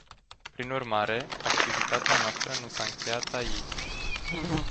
Prin urmare, activitatea noastră nu s-a încheiat aici.